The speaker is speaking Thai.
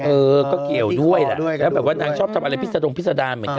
เออก็เกี่ยวด้วยแหละแล้วแบบว่านางชอบทำอะไรพิษดงพิษดารเหมือนกัน